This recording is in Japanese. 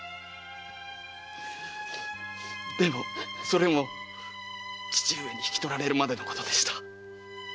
でもそれも義父上に引き取られるまでのことでした。